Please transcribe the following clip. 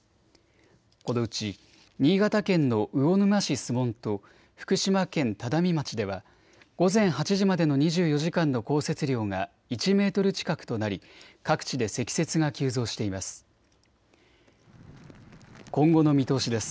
このうち新潟県の魚沼市守門と福島県只見町では午前８時までの２４時間の降雪量が１メートル近くとなり各地で積雪が急増しています。